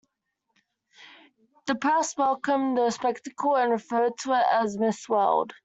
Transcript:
The press welcomed the spectacle and referred to it as "Miss World".